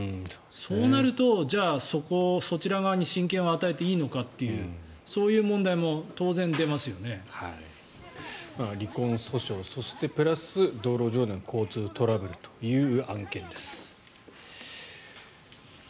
そうなるとそちら側に親権を与えていいのかという問題も離婚訴訟プラス道路上での交通トラブルという案件です。